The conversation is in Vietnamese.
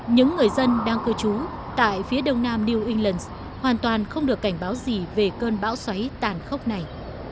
những người dân đang cư trú tại phía đông nam new england hoàn toàn không được cảnh báo gì về cơn bão xoáy tàn khốc này